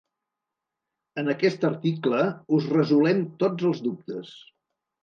En aquest article, us resolem tots els dubtes.